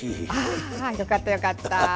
よかったよかった！